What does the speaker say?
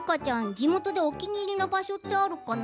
地元でお気に入りの場所ってあるかな。